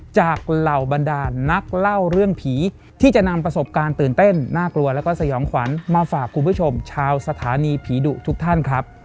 เหล่าบรรดาลนักเล่าเรื่องผีที่จะนำประสบการณ์ตื่นเต้นน่ากลัวแล้วก็สยองขวัญมาฝากคุณผู้ชมชาวสถานีผีดุทุกท่านครับ